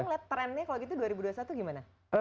bapak lihat trendnya kalau gitu dua ribu dua puluh satu gimana